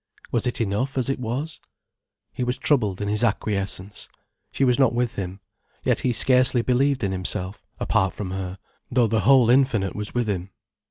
Was it enough, as it was? He was troubled in his acquiescence. She was not with him. Yet he scarcely believed in himself, apart from her, though the whole Infinite was with him.